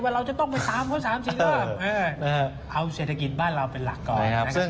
เราจะต้องไปตามเขา๓๔รอบเอาเศรษฐกิจบ้านเราเป็นหลักก่อนนะครับ